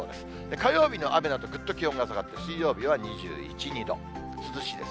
火曜日の雨のあと、ぐっと気温が下がって、水曜日は２１、２度、涼しいです。